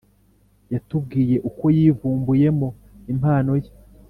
yatubwiye uko yivumbuyemo impano ye